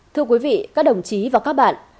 thưa quý vị các đồng chí và các bạn